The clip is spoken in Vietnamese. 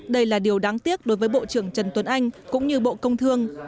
đây là điều đáng tiếc đối với bộ trưởng trần tuấn anh cũng như bộ công thương